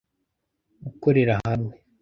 gukorera hamwe